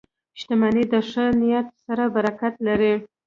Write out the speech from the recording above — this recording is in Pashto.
• شتمني د ښه نیت سره برکت لري.